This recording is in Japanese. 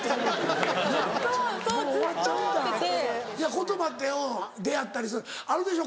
言葉ってうん出合ったりするあるでしょ？